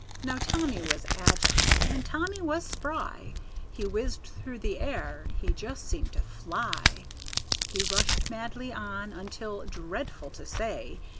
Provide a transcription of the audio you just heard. Now Tommy was agile and Tommy was spry; He whizzed through the air he just seemed to fly; He rushed madly on, until, dreadful to say!